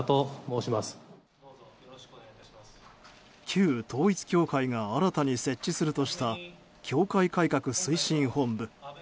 旧統一教会が新たに設置するとした教会改革推進本部。